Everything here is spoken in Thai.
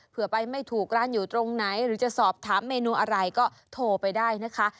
เพื่อไปไม่ถูกร้านอยู่ตรงไหนหรือจะสอบถามเมนูอะไรก็โทรไปได้นะคะ